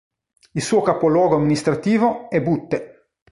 Il suo capoluogo amministrativo è Butte.